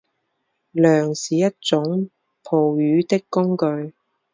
梁是一种捕鱼的工具。